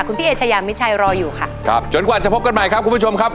คุณพี่เอชายามิชัยรออยู่ค่ะครับจนกว่าจะพบกันใหม่ครับคุณผู้ชมครับ